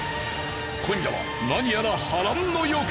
今夜は何やら波乱の予感。